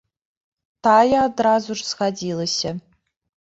Тая адразу ж згадзілася.